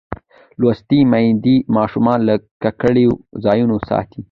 لوستې میندې ماشوم له ککړو ځایونو ساتي.